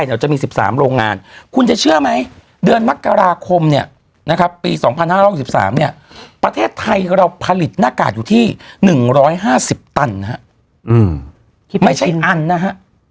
ประเทศไทยจะมี๑๓โรงงานคุณจะเชื่อไหมเดือนมกราคมปี๒๕๖๓ประเทศไทยเราผลิตหน้ากากอยู่ที่๑๕๐ตันไม่ใช่อันนะฮะ